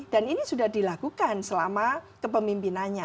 dan ini sudah dilakukan selama kepemimpinannya